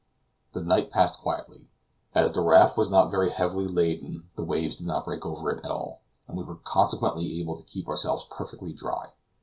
The night passed quietly. As the raft was not very heavily laden the waves did not break over it at all, and we were consequently able to keep ourselves perfectly dry.